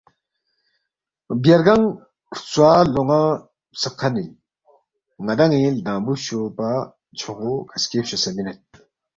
غبیار گنگ ہرژوا لونا فسق کھن اِن۔ ندانگی لدانگبو فچو پا چھوغو کسکے فچوسے مینید۔